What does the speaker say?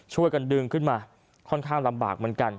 ช่วยกันดึงขึ้นมาค่อนข้างลำบากเหมือนกัน